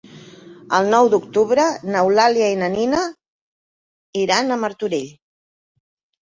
El nou d'octubre n'Eulàlia i na Nina iran a Martorell.